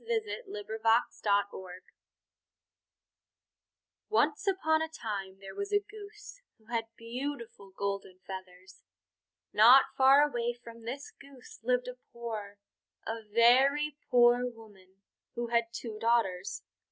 V THE GOLDEN GOOSE Once upon a time there was a Goose who had beautiful golden feathers. Not far away from this Goose lived a poor, a very poor woman, who had two daughters.